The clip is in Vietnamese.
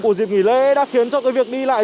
của dịp nghỉ lễ đã khiến cho cái việc đi lại